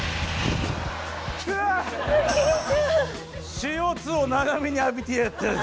ＣＯ２を長めに浴びてやったぜ。